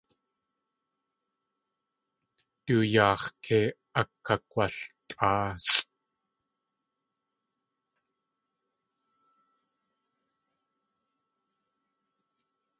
Du yaax̲ kei akakg̲waltʼáasʼ.